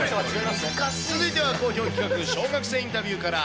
続いては好評企画、小学生インタビューから。